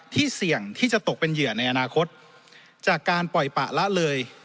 เสี่ยงที่จะตกเป็นเหยื่อในอนาคตจากการปล่อยปะละเลย